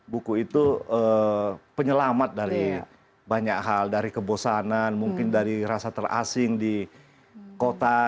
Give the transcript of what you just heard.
buku itu penyelamat dari banyak hal dari kebosanan mungkin dari rasa terasing di kota